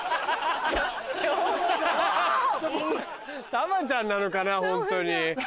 珠ちゃんなのかなホントに。